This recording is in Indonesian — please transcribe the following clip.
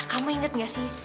kamu inget gak sih